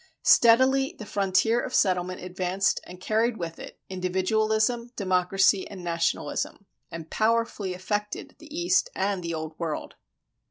Steadily the frontier of settlement advanced and carried with it individualism, democracy, and nationalism, and powerfully affected the East and the Old World.